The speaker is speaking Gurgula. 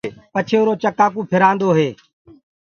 پڇي اُرو چڪآ ڪوُ ڦِرآندو هي۔